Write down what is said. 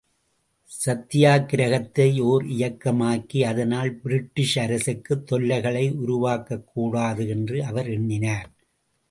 சத்தியாக்கிரகத்தை ஓர் இயக்கமாக்கி அதனால் பிரிட்டிஷ் அரசுக்குத் தொல்லைகளை உருவாக்கக் கூடாது என்று அவர் எண்ணினார்.